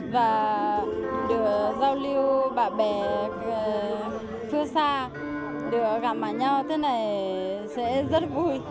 và được giao lưu bạn bè phương xa được gặp mặt nhau như thế này sẽ rất vui